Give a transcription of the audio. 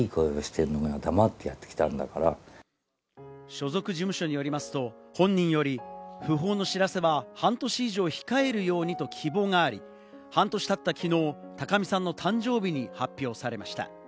所属事務所によりますと、本人より訃報の知らせは半年以上控えるようにと希望があり、半年経った昨日、高見さんの誕生日に発表されました。